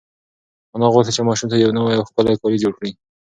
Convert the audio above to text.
انا غوښتل چې ماشوم ته یو نوی او ښکلی کالي جوړ کړي.